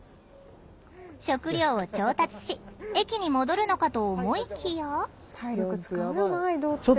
食料を調達し駅に戻るのかと思いきや。